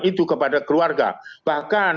itu kepada keluarga bahkan